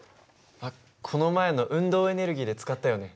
あっこの前の運動エネルギーで使ったよね。